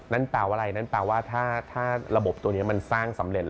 แปลว่าอะไรนั่นแปลว่าถ้าระบบตัวนี้มันสร้างสำเร็จ